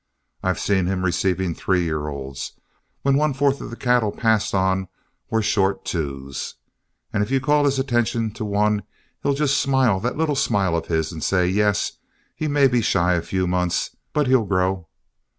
I've seen him receiving three year olds, when one fourth of the cattle passed on were short twos. And if you call his attention to one, he'll just smile that little smile of his, and say, 'yes, he may be shy a few months, but he'll grow.'